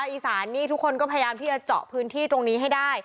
อีสานนี่ทุกคนก็พยายามที่จะเจาะพื้นที่ตรงนี้ให้ได้